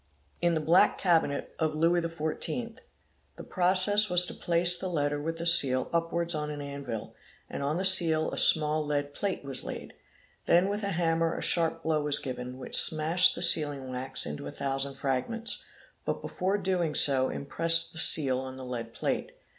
In the Black Cabinet of Louis XIV., the process was to place the letter with the seal upwards on an anvil, and on the seal a small lead plate was Jaid. Then with a hammer a sharp blow was given, which smashed the sealing wax into a thousand fragments; but before doing — so impressed the seal on the lead plate.